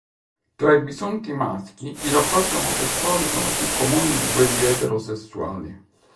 Tra i bisonti maschi i rapporti omosessuali sono più comuni di quelli eterosessuali.